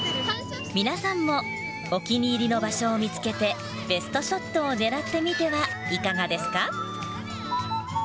皆さんもお気に入りの場所を見つけてベストショットを狙ってみてはいかがですか？